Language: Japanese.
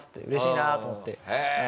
うれしいなと思って。